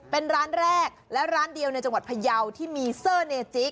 เป็นร้านแรกและร้านเดียวในจังหวัดพยาวที่มีเซอร์เนจิ